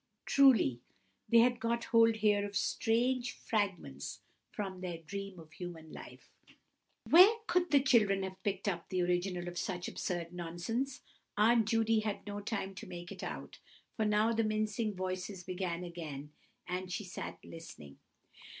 Truly they had got hold here of strange "Fragments from their dream of human life." Where could the children have picked up the original of such absurd nonsense? Aunt Judy had no time to make it out, for now the mincing voices began again, and she sat listening.